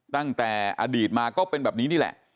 ตั้งแต่อดีตมาก็เป็นแบบนี้นี่แหละ